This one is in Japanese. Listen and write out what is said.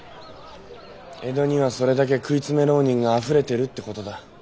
江戸にはそれだけ食い詰め浪人があふれてるって事だ。